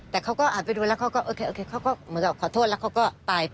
แต่เขาก็อาจไปดูแล้วเขาก็โอเคเขาก็ขอโทษแล้วเขาก็ตาย